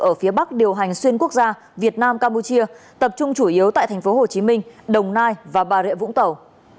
ở phía bắc điều hành xuyên quốc gia việt nam campuchia tập trung chủ yếu tại thành phố hồ chí minh đồng nai và bà rệ vũng tàu